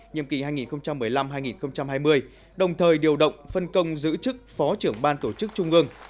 nhiệm kỳ hai nghìn một mươi năm hai nghìn hai mươi đồng thời điều động phân công giữ chức phó trưởng ban tổ chức trung ương